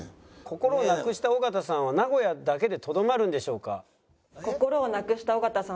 心をなくした尾形さんは名古屋だけでとどまるんでしょうか？